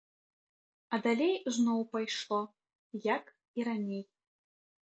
А далей зноў пайшло, як і раней.